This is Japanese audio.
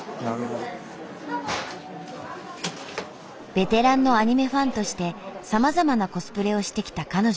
ベテランのアニメファンとしてさまざまなコスプレをしてきた彼女。